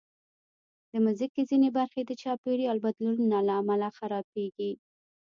د مځکې ځینې برخې د چاپېریالي بدلونونو له امله خرابېږي.